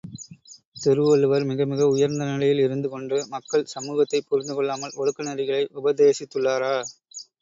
திருவள்ளுவர் மிக மிக உயர்ந்த நிலையில் இருந்து கொண்டு மக்கள் சமூகத்தைப் புரிந்துகொள்ளாமல் ஒழுக்க நெறிகளை உபதேசித்துள்ளாரா?